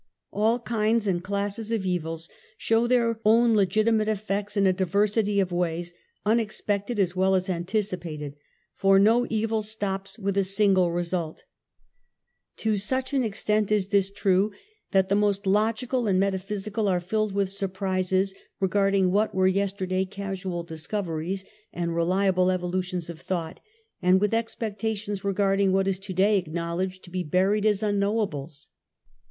All kinds and classes of evils show their own legitimate effects in a diversity of ways, unex pected as well as anticipated, for no evil stops with a sinde result. To such an extent is this true,. Refornv Fnder stzzZ. 4 SOCIAL EVIL. 98 that the most logical and metaphysical are filled with surprises regarding what were yesterday casual discoveries, and reliable evolutions of thought, and with expectations regarding what is to day ac knowledged to be buried as " unknowables."